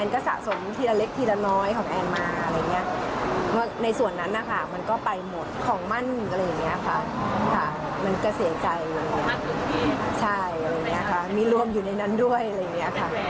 ใช่นะคะมีร่วมอยู่ในนั้นด้วย